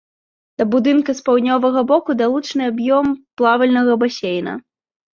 Да будынка з паўднёвага боку далучаны аб'ём плавальнага басейна.